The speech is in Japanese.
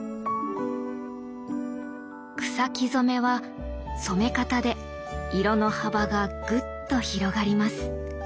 草木染めは染め方で色の幅がぐっと広がります。